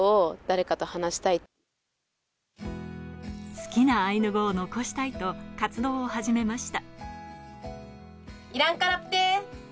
好きなアイヌ語を残したいと活動を始めました。